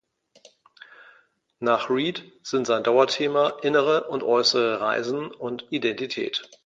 Nach Read sind sein Dauerthema innere und äußere Reisen und Identität.